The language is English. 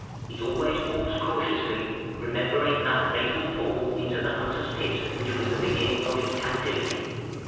It always walks cautiously, remembering that fatal fall into the hunter's pit which was the beginning of its captivity.